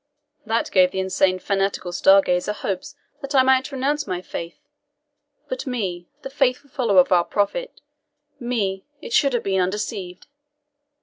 "That gave the insane fanatic star gazer hopes that I might renounce my faith! But me, the faithful follower of our Prophet me it should have undeceived.